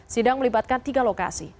sidang melibatkan tiga lokasi